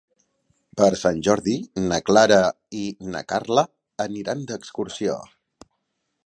Per Sant Jordi na Clara i na Carla aniran d'excursió.